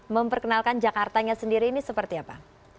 memperkenalkan jakartanya sendiri ini seperti apa